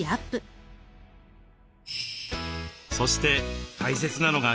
そして大切なのが筋トレ。